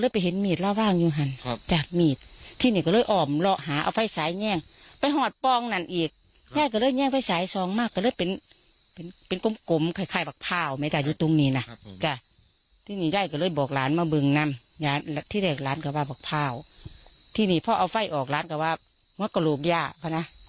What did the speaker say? พอจะเห็นร่างเนี่ยครับ